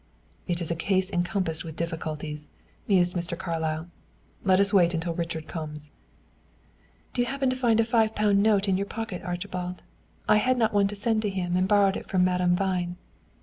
"It is a case encompassed with difficulties," mused Mr. Carlyle. "Let us wait until Richard comes." "Do you happen to have a five pound note in your pocket, Archibald? I had not one to send to him, and borrowed it from Madame Vine."